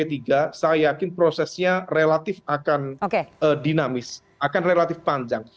saya yakin prosesnya relatif akan dinamis akan relatif panjang